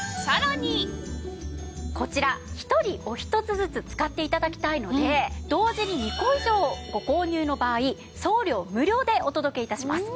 こちら一人お一つずつ使って頂きたいので同時に２個以上ご購入の場合送料無料でお届け致します。